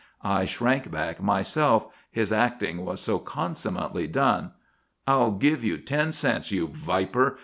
I shrank back myself, his acting was so consummately done. "I'll give you ten cents, you viper!